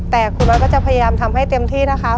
แต่ครูน้อยก็จะพยายามทำให้เต็มที่นะคะ